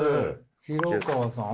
廣川さん。